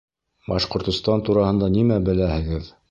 Башкортостан тураһында нимә беләһегеҙ?